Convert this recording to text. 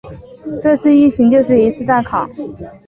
这次疫情就是一次大考